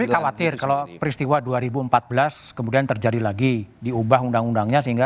saya khawatir kalau peristiwa dua ribu empat belas kemudian terjadi lagi diubah undang undangnya sehingga